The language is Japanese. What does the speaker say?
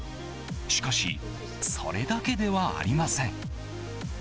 しかしそれだけではありません。